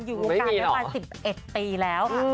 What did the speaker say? อยู่กันประมาณ๑๑ปีแล้วค่ะ